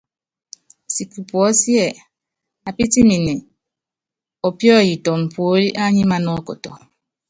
Siki puɔ́síɛ apítiminɛ ɔpíɔ́yitɔnɔ puólí ányímaná ɔkɔtɔ.